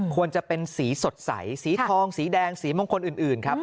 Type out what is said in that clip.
ควรจะเป็นสีสดใสสีทองสีแดงสีมงคลอื่นครับ